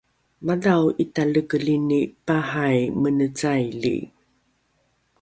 madhao ’italekelini pahai mene caili